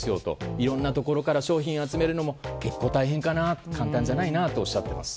いろんなところから商品を集めるのも結構大変かな、簡単じゃないなとおっしゃっています。